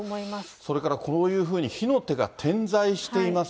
それからこういうふうに火の手が点在しています。